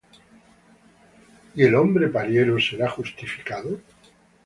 ¿Y el hombre parlero será justificado?